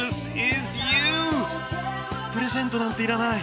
プレゼントなんていらない。